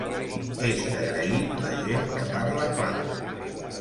És d’agrair la gent que parla clar.